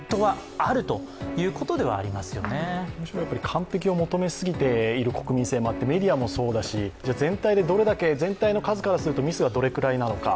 完璧を求めすぎている国民性もあってメディアもそうですし全体でどれだけ全体の中でミスはどのくらいなのか